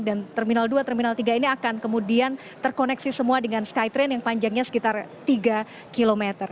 dan terminal dua terminal tiga ini akan kemudian terkoneksi semua dengan skytrain yang panjangnya sekitar tiga km